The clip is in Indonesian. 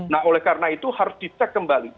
nah oleh karena itu harus dicek kembali